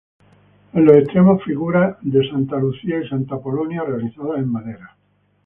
En los extremos, figuras de Santa Lucía y Santa Apolonia realizadas en madera.